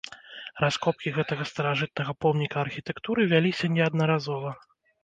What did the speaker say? Раскопкі гэтага старажытнага помніка архітэктуры вяліся неаднаразова.